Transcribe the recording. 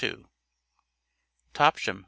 J. TOPSHAM, VT.